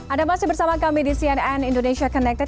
ada masih bersama kami di cnn indonesia connected